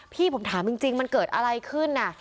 พี่ผมถามจริงมันเกิดอะไรขึ้นน่ะ